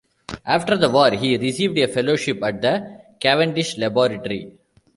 After the war, he received a fellowship at the Cavendish Laboratory.